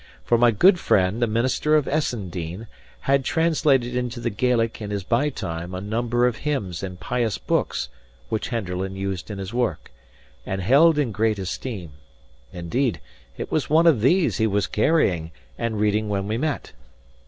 For my good friend, the minister of Essendean, had translated into the Gaelic in his by time a number of hymns and pious books which Henderland used in his work, and held in great esteem. Indeed, it was one of these he was carrying and reading when we met.